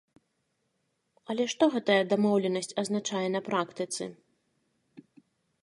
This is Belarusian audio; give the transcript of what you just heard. Але што гэтая дамоўленасць азначае на практыцы?